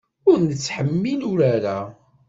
Ur nettḥemmil urar-a.